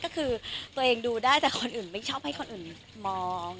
ก็คือตัวเองดูได้แต่คนอื่นไม่ชอบให้คนอื่นมอง